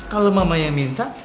kalau mama yang minum